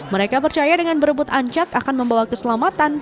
mereka percaya dengan berebut ancak akan membawa keselamatan